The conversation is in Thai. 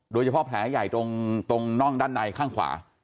โดยเฉพาะแผลใหญ่ตรงน่องด้านในข้างขวา